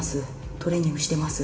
トレーニングしてます。